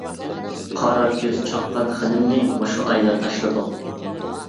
قارا كۆز چاققان خېنىمنى مۇشۇ ئايدا تاشلىدۇق.